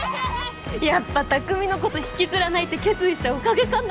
やっぱ匠のこと引きずらないって決意したおかげかな？